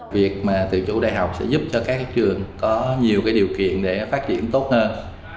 việc mà tự chủ đại học sẽ giúp cho các trường có nhiều điều kiện để phát triển tốt hơn